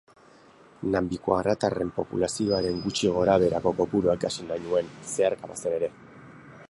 Nambikwaratarren populazioaren gutxi gorabeherako kopurua ikasi nahi nuen, zeharka bazen ere.